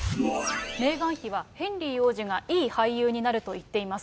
メーガン妃はヘンリー王子がいい俳優になると言っています。